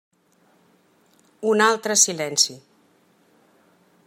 Un altre silenci.